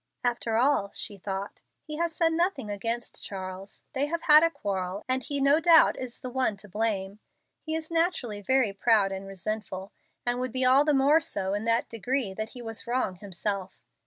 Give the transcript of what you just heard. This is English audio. "After all," she thought, "he has said nothing against Charles. They have had a quarrel, and he no doubt is the one to blame. He is naturally very proud and resentful, and would be all the more so in that degree that he was wrong himself.